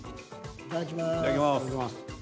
いただきます。